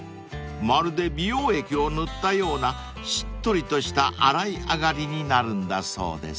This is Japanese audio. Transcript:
まるで美容液を塗ったようなしっとりとした洗い上がりになるんだそうです］